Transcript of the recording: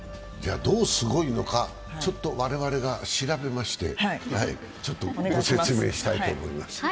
どうすごいのか我々が調べまして、ご説明したいと思います。